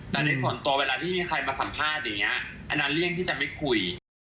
แต่ในส่วนตัวเวลาที่มีใครมาสัมภาษณ์อย่างนี้อันนั้นเลี่ยงที่จะไม่คุย